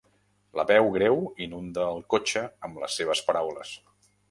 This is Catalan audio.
La veu greu inunda el cotxe amb les seves paraules.